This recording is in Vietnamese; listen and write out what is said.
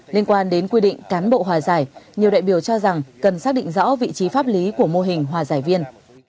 liên quan đến quy định cán bộ hòa giải nhiều đại biểu cho rằng cần xác định rõ vị trí pháp lý của mô hình hòa giải viên